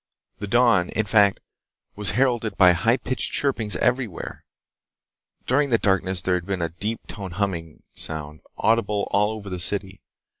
The dawn, in fact, was heralded by high pitched chirpings everywhere. During the darkness there had been a deep toned humming sound, audible all over the city.